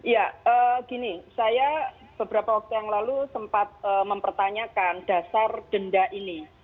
ya gini saya beberapa waktu yang lalu sempat mempertanyakan dasar denda ini